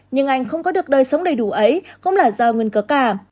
nhưng anh không có được đời sống đầy đủ ấy cũng là do nguyên cớ cả